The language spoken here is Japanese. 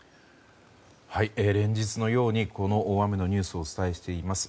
連日のようにこの大雨のニュースをお伝えしています。